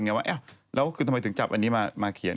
แบบแอ๊ะทำไมถึงจับอันนี้มาเขียน